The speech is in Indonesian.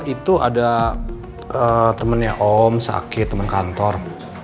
itu ada temennya om sakit temen kantor